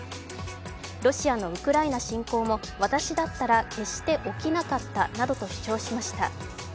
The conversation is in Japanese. ロシアのウクライナ侵攻も私だったら決して起きなかったなどと主張しました。